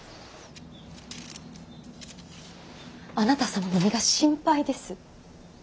あなた様の身が心配です。